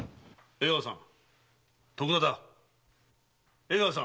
江川さん？